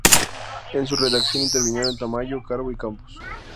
En su redacción intervinieron Tamayo, Carbo y Campos.